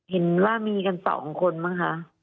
เห็นว่ามีกัน๒คนมั้งคะ